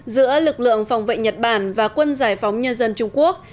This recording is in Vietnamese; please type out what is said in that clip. giữa lực lượng phòng vệ nhật bản và quân giải phóng nhân dân trung quốc